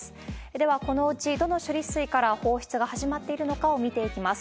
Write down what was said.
では、このうち、どの処理水から放出が始まっているのかを見ていきます。